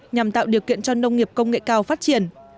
nhằm tạo điều kiện cho nông nghiệp công nghệ cao phát triển